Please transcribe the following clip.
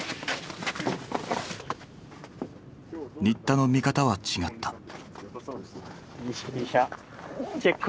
新田の見方は違った。